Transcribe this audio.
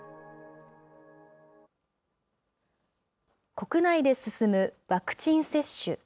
国内で進むワクチン接種。